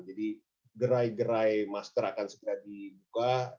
jadi gerai gerai masker akan segera dibuka